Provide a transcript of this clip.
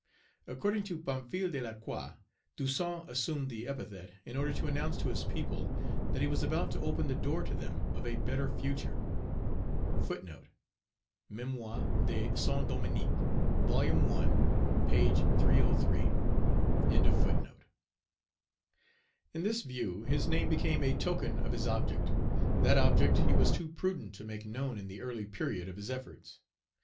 According to Pamphile de Lacroix, Toussaint assumed the epithet, in order to announce to his people that he was about to open the door to them of a better future. "Mémoires de Saint Dominique." Vol. I. p. 303.In this view his name became a token of his object. That object he was too prudent to make known in the early period of his efforts.